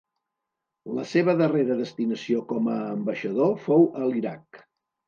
La seva darrera destinació com a ambaixador fou a l'Iraq.